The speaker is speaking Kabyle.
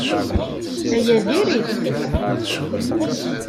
Aya diri-t.